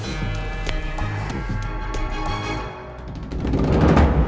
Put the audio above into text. saya permisi dulu